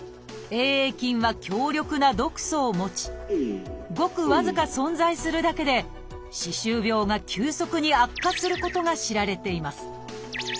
Ａ．ａ．菌は強力な毒素を持ちごく僅か存在するだけで歯周病が急速に悪化することが知られています。